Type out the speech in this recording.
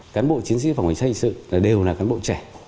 cán bộ chiến sĩ phòng hành sát hành sự đều là cán bộ trẻ